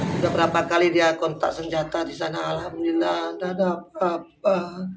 sudah berapa kali dia kontak senjata di sana alhamdulillah tidak ada apa apa